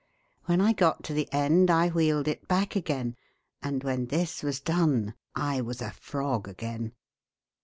When I got to the end I wheeled it back again, and when this was done I was a frog again.